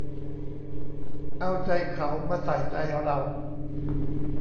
เอาใจเขามาใส่ใจเรา